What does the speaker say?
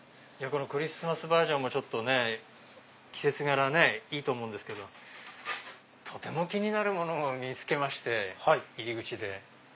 クリスマスバージョンも季節柄いいと思うんですけどとても気になるものを見つけまして入り口で。